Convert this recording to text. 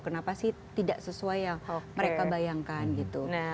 kenapa sih tidak sesuai yang mereka bayangkan gitu